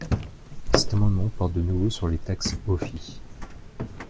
Cet amendement porte de nouveau sur les taxes OFII.